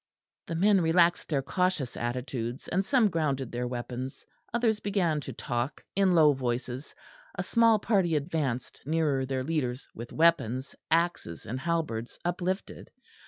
The men relaxed their cautious attitudes, and some grounded their weapons; others began to talk in low voices; a small party advanced nearer their leaders with weapons, axes and halberds, uplifted.